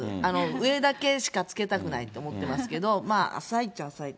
上だけしかつけたくないって思ってますけど、浅いっちゃ浅い。